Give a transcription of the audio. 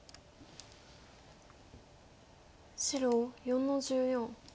白４の十四。